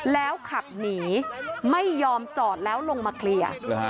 แล้วขับหนีไม่ยอมจอดแล้วลงมาเคลียร์